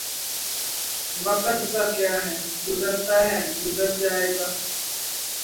وقت کا کیا ہے گزرتا ہے گزر جائے گا